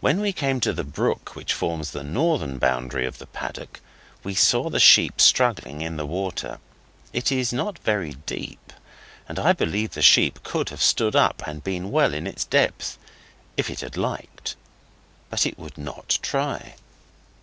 When we came to the brook which forms the northern boundary of the paddock we saw the sheep struggling in the water. It is not very deep, and I believe the sheep could have stood up, and been well in its depth, if it had liked, but it would not try.